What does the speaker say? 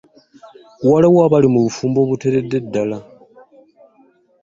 Waliwo abali mu bufumbo obuteredde ddala?